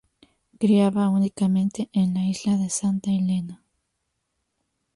Criaba únicamente en la isla de Santa Elena.